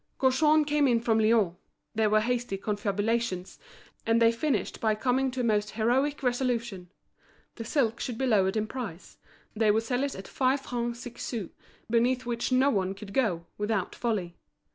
Gaujean came up from Lyons; there were hasty confabulations, and they finished by coming to a most heroic resolution; the silk should be lowered in price, they would sell it at five francs six sous, beneath which no one could go, without folly.